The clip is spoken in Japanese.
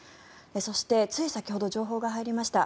そして、つい先ほど情報が入りました。